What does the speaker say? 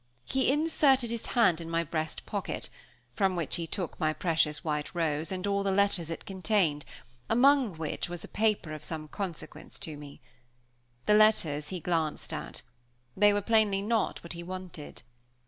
He inserted his hand in my breast pocket, from which he took my precious white rose and all the letters it contained, among which was a paper of some consequence to me. My letters he glanced at. They were plainly not what he wanted.